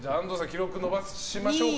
記録伸ばしましょうか。